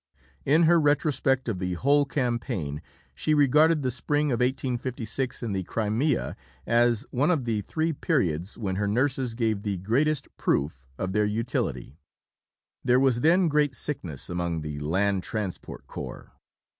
In her retrospect of the whole campaign, she regarded the spring of 1856 in the Crimea as one of the three periods when her nurses gave the greatest proof of their utility. There was then great sickness among the Land Transport Corps.